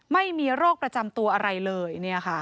ไม่มีโรคประจำตัวอะไรเลย